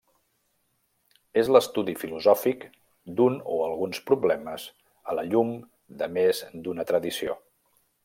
És l'estudi filosòfic d'un o alguns problemes a la llum de més d'una tradició.